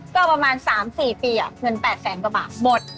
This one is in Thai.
ก็ประมาณ๓๔ปีเงิน๘แสนกว่าบาทหมด